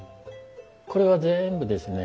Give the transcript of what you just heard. これは全部ですね